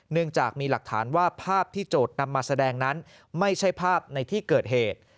เนื่องจากมีหลักฐานว่าภาพที่โจทย์นำมาแสดงนั้นไม่ใช่ภาพในที่เกิดเหตุ